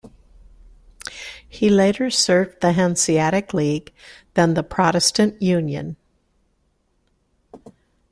He later served the Hanseatic League, then the Protestant Union.